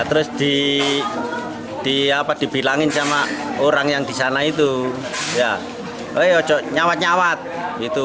terus dibilangin sama orang yang di sana itu ya ayo nyawat nyawat gitu